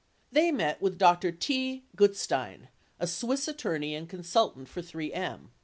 They met with Dr. T. Gutstein, a Swiss attorney and consultant for 3M.